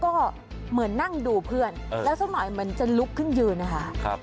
ก็เหมือนนั่งดูเพื่อนแล้วสักหน่อยเหมือนจะลุกขึ้นยืนนะคะ